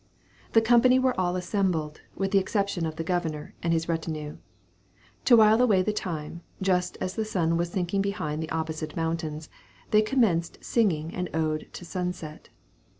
The company were all assembled, with the exception of the Governor and his retinue. To while away the time, just as the sun was sinking behind the opposite mountains, they commenced singing an ode to sunset.